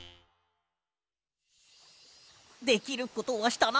できることはしたな。